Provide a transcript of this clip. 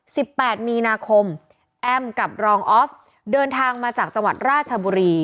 แปดมีนาคมแอมกับรองออฟเดินทางมาจากจังหวัดราชบุรี